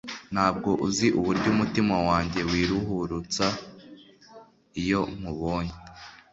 Ntabwo uzi uburyo umutima wanjye wiruhurutsa iyo nkubonye.